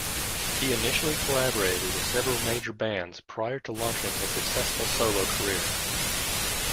He initially collaborated with several major bands, prior to launching a successful solo career.